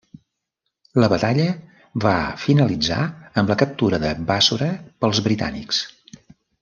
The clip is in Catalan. La batalla va finalitzar amb la captura de Bàssora pels britànics.